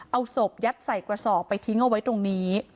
เอาศพยัดใส่กระสอบไปทิ้งเอาไว้ตรงนี้